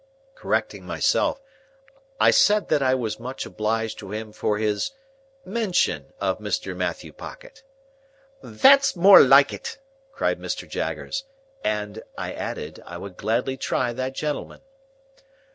Correcting myself, I said that I was much obliged to him for his mention of Mr. Matthew Pocket— "That's more like it!" cried Mr. Jaggers.—And (I added), I would gladly try that gentleman.